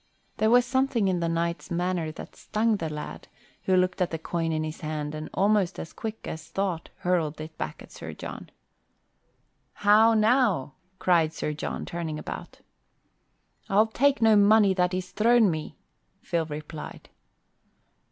There was something in the knight's manner that stung the lad, who looked at the coin in his hand and almost as quick as thought hurled it back at Sir John. "How now?" cried Sir John, turning about. "I'll take no money that is thrown me," Phil replied.